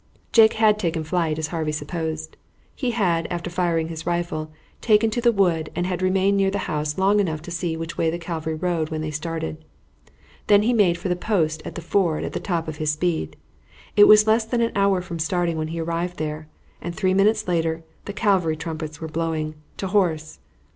Jake had taken flight as Harvey supposed. He had, after firing his rifle, taken to the wood, and had remained near the house long enough to see which way the cavalry rode when they started. Then he made for the post at the ford at the top of his speed. It was less than an hour from starting when he arrived there, and three minutes later the cavalry trumpets were blowing "To horse!"